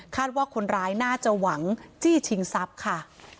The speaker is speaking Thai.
คาดว่าคนร้ายน่าจะหวังจี้ชิงซับค่ะ